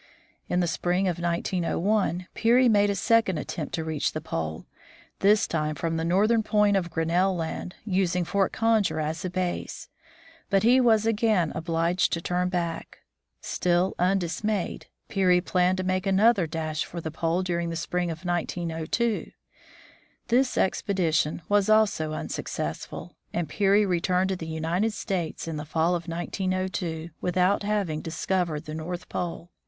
In the spring of 1901 Peary made a second attempt to reach the pole, this time from the northern point of Grin nell land, using Fort Conger as a base. But he was again obliged to turn back. Still undismayed, Peary planned to make another dash for the pole during the spring of 1902. This expedition was also unsuccessful, and Peary returned to the United States in the fall of 1902, without having discovered the North Pole.